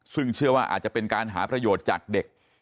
ซึ่งเชื่อว่าอาจจะเป็นการหาประโยชน์จากเด็ก